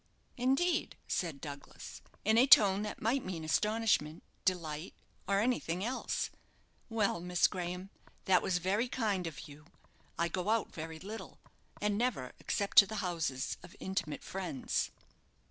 "Indeed!" said Douglas, in a tone that might mean astonishment, delight, or anything else. "Well, Miss Graham, that was very kind of you. I go out very little, and never except to the houses of intimate friends."